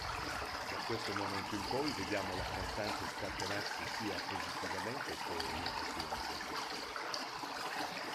Da questo momento in poi vediamo la cantante scatenarsi sia positivamente che negativamente.